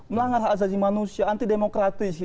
melanggar hak azazi manusia anti demokratis